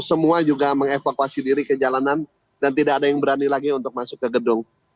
semua juga mengevakuasi diri ke jalanan dan tidak ada yang berani lagi untuk masuk ke gedung